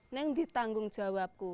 ini yang ditanggung jawabku